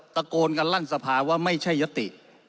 ตะโกนกันลั่นสภาว่าไม่ใช่ยติ